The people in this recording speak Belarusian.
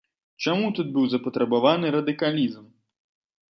Чаму тут быў запатрабаваны радыкалізм?